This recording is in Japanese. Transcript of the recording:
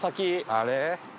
あれ？